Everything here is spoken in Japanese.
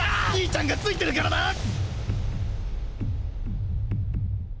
兄ちゃんが付いてるからな！！